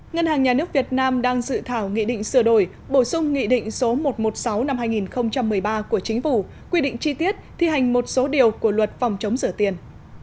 ngân hàng nhà nước việt nam đang dự thảo nghị định sửa đổi bổ sung nghị định số một trăm một mươi sáu năm hai nghìn một mươi ba của chính phủ quy định chi tiết thi hành một số điều của luật phòng chống rửa tiền